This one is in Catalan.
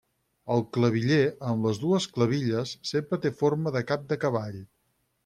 El claviller, amb les dues clavilles, sempre té forma de cap de cavall.